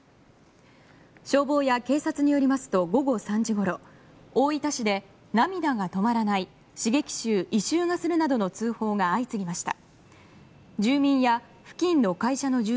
消防や警察によりますと午後３時ごろ大分市で、涙が止まらない刺激臭、異臭がするなどの通報が相次ぎました。